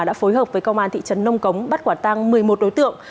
đã phối hợp với công an thị trấn nông cống bắt quả tăng một mươi một đối tượng